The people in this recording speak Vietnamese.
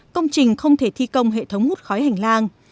công trình không thể thi công hệ thống hút khói hành lang